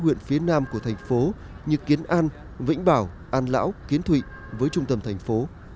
huyện phía nam của thành phố như kiến an vĩnh bảo an lão kiến thụy với trung tâm thành phố